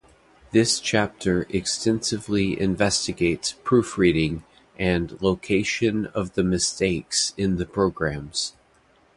This chapter extensively investigates "proofreading" and location of the mistakes in the programs.